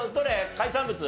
海産物？